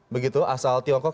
begitu asal tiongkok